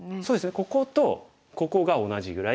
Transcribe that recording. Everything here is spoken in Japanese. こことここが同じぐらい。